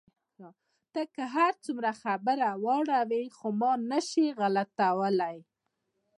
ته که هر څومره خبره واړوې، خو ما نه شې غلتولای.